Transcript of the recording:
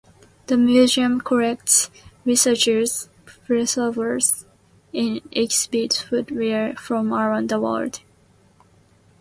The museum collects, researches, preserves, and exhibits footwear from around the world.